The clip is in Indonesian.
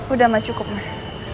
udah mah cukup mah